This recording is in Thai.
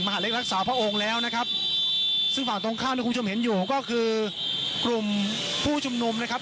เล็กรักษาพระองค์แล้วนะครับซึ่งฝั่งตรงข้ามที่คุณผู้ชมเห็นอยู่ก็คือกลุ่มผู้ชุมนุมนะครับ